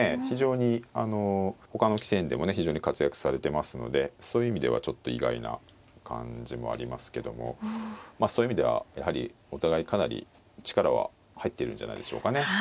非常にあの他の棋戦でもね非常に活躍されてますのでそういう意味ではちょっと意外な感じもありますけどもまあそういう意味ではやはりお互いかなり力は入ってるんじゃないでしょうかね。